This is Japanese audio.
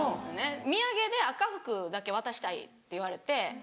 土産で赤福だけ渡したいって言われて。